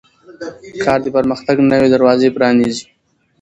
کار د پرمختګ نوې دروازې پرانیزي